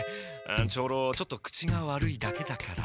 長老ちょっと口が悪いだけだから。